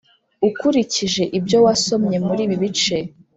Ukurikije ibyo wasomye muri ibi bice